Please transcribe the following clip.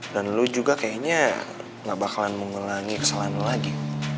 dan lo juga kayaknya gak bakalan mengulangi kesalahan lo lagi